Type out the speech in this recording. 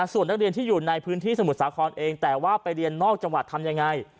ส่วนนักเรียนที่อยู่ในพื้นที่สมุทรสาครเองแต่ว่าไปเรียนนอกจังหวัดทำยังไง